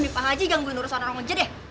eh pak haji gangguin urusan orang aja deh